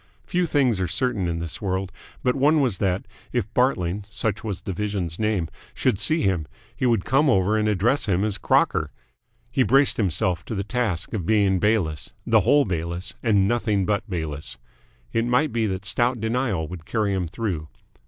Few things are certain in this world, but one was that, if Bartling such was the Vision's name should see him, he would come over and address him as Crocker. He braced himself to the task of being Bayliss, the whole Bayliss, and nothing but Bayliss. It might be that stout denial would carry him through.